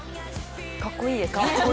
かっこいいですね。